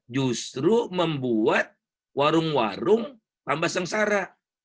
justru membuat warung warung tambah sengsara